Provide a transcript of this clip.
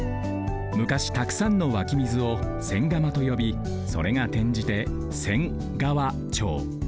昔たくさんのわきみずを千釜とよびそれがてんじて仙川町。